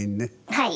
はい。